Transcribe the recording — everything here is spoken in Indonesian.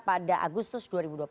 pada agustus dua ribu dua puluh